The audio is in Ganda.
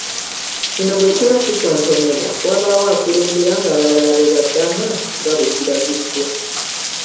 Kino bwe kiba kitontomebwa, wabaawo akulembera ng’abalala bwe baddaamu nga bwe kiragiddwa.